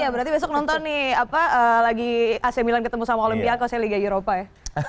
berarti besok nonton nih ac milan ketemu sama olympiakos liga eropa ya